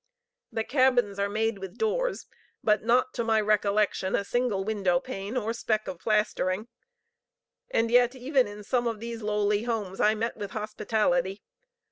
The cabins are made with doors, but not, to my recollection, a single window pane or speck of plastering; and yet even in some of those lowly homes I met with hospitality.